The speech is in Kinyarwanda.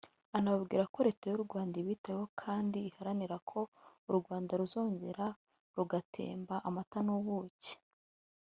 anababwira ko Leta y’u Rwanda ibitayeho kandi iharanira ko u Rwanda ruzongera rugatemba amata n’ubuki